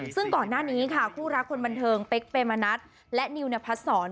ซึ่งก่อนหน้านี้ค่ะคู่รักคนบันเทิงเป๊กเปมนัดและนิวนพัดศร